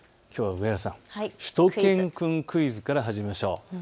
上原さん、しゅと犬くんクイズから始めましょう。